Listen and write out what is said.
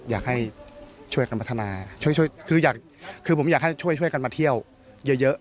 อยากให้ช่วยกันพัฒนาช่วยคืออยากคือผมอยากให้ช่วยกันมาเที่ยวเยอะ